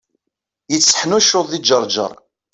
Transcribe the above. Yetteḥnuccuḍ di Ǧerǧer.